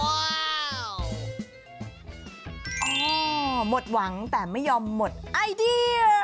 หมดหวังแต่ไม่ยอมหมดไอเดีย